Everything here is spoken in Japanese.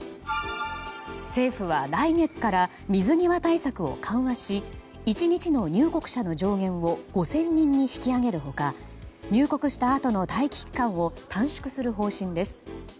政府は来月から水際対策を緩和し１日の入国者の上限を５０００人に引き上げるほか入国したあとの待機期間を短縮する方針です。